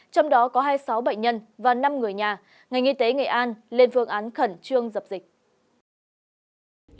trong đó có hai mươi sáu bệnh nhân và năm người nhà ngành y tế nghệ an lên phương án khẩn trương dập dịch